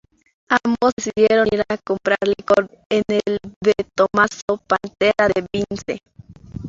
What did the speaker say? Ambos decidieron ir a comprar licor en el De Tomaso Pantera de Vince.